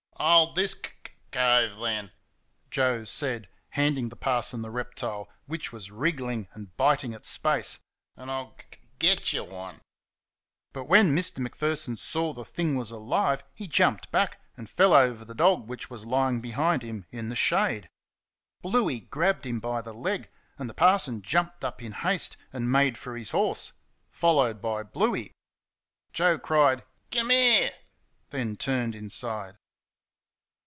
"Hold this kuk kuk cove, then," Joe said, handing the parson the reptile, which was wriggling and biting at space, "an' I'll gug gug get y' one." But when Mr. Macpherson saw the thing was alive he jumped back and fell over the dog which was lying behind him in the shade. Bluey grabbed him by the leg, and the parson jumped up in haste and made for his horse followed by Bluey. Joe cried, "KUM 'ere!" then turned inside.